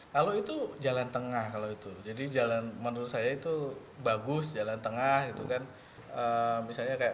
kalau itu jalan tengah kalau itu jadi jalan menurut saya itu bagus jalan tengah itu kan misalnya kayak